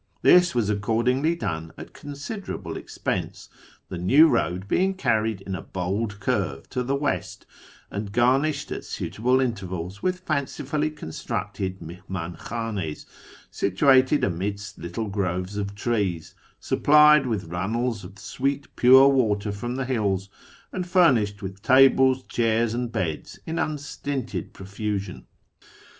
This was accordingly done at considerable expense, the new road being carried in a bold curve to the west, and garnished at suitable intervals with fancifully constructed milimdn 'khdnds, situated amidst little groves of trees, supplied with runnels of sweet, pure water from the hills, and furnished with tables, chairs, and beds in un stinted profusion.